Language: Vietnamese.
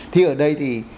thì ở đây thì